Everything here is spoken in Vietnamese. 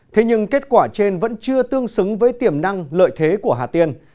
thế nhưng kết quả trên vẫn chưa tương xứng với tiềm năng lợi thế của hà tiên